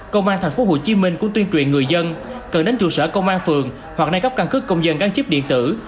công an tp hcm cũng tuyên truyền người dân cần đến trụ sở công an phường hoặc nơi cấp căn cứ công dân gắn chip điện tử